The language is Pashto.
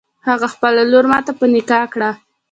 هغه خپله لور ماته په نکاح کړه.